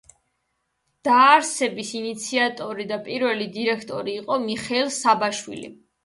დაარსების ინიციატორი და პირველი დირექტორი იყო მიხეილ საბაშვილი.